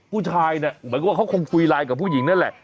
ผู้ชายเนี่ยเหมือนกับว่าเขาคงคุยไลน์กับผู้หญิงนั่นแหละ